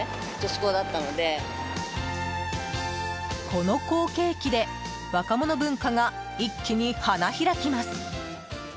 この好景気で若者文化が一気に花開きます。